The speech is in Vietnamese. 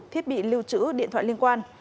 thiết bị lưu trữ điện thoại liên quan